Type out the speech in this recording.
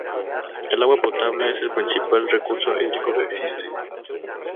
El agua potable es el principal recurso hídrico que existe.